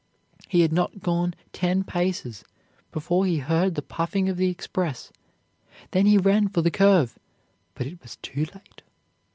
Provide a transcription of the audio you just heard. He had not gone ten paces before he heard the puffing of the express. Then he ran for the curve, but it was too late.